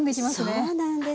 そうなんです。